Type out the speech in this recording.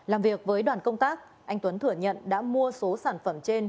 làm việc với đoàn công tác anh tuấn thừa nhận đã mua số sản phẩm trên